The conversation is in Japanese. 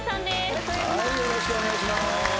よろしくお願いします。